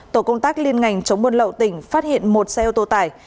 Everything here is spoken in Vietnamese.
tổ công tác liên ngành chống buôn lậu tỉnh phát hiện một xe ô tô tải